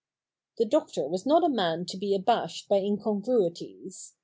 The Doctor was not a man to be abashed by incon gruities.